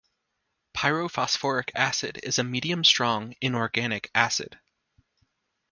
Pyrophosphoric acid is a medium strong inorganic acid.